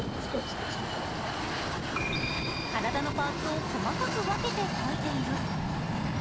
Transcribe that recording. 体のパーツを細かく分けて描いている。